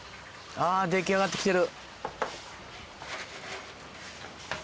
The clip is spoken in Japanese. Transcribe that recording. ああ出来上がってきてる。